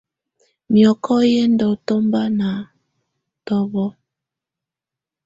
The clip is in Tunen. Miɔkɔ yɛ ndɔ tɔmbaŋa tɔbɔ.